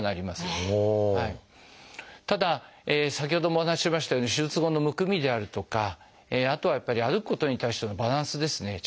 ただ先ほどもお話ししましたように手術後のむくみであるとかあとはやっぱり歩くことに対してのバランスですね。